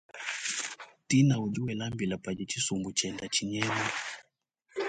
Tina udi wela mbila padi thsisumbu tshiende thsinyema.